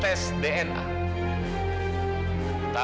tentu saja bayi ini